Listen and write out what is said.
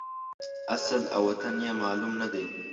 اصل او وطن یې معلوم نه دی.